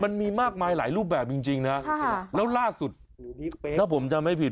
มันมีมากมายหลายรูปแบบจริงนะแล้วล่าสุดถ้าผมจำไม่ผิด